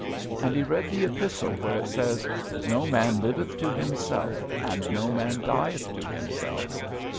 And he read the epistle where it says, "No man liveth to himself, and no man dieth to himself."